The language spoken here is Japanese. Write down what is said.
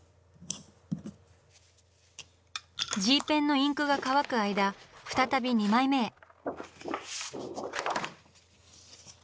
Ｇペンのインクが乾く間再び２枚目へ。